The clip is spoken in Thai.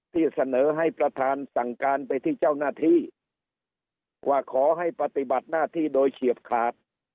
ที่เสนอให้ประธานสั่งการไปที่เจ้าหน้าที่ว่าขอให้ปฏิบัติหน้าที่โดยเฉียบขาด